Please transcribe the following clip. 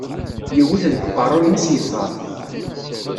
Yewwet deg uqerru-ines yeffeɣ-d.